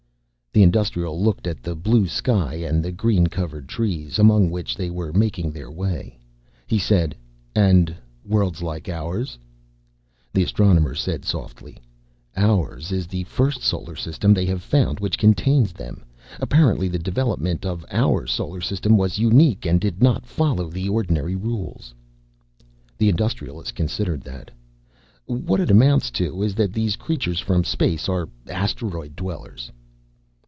The Industrialist looked at the blue sky and the green covered trees among which they were making their way. He said, "And worlds like ours?" The Astronomer said, softly, "Ours is the first solar system they have found which contains them. Apparently the development of our solar system was unique and did not follow the ordinary rules." The Industrialist considered that. "What it amounts to is that these creatures from space are asteroid dwellers."